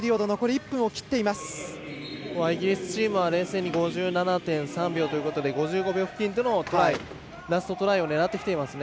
イギリスチームは冷静に５３．３秒ということで５５秒付近でのラストトライをラストトライを狙ってきています。